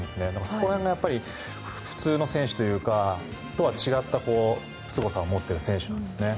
そこら辺が普通の選手とは違ったすごさを持っている選手ですね。